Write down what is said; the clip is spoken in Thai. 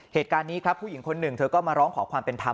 เหตุการณ์นี้ครับผู้หญิงคนหนึ่งเธอก็มาร้องขอความเป็นธรรม